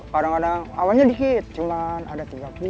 kadang kadang awalnya dikit cuma ada tiga puluh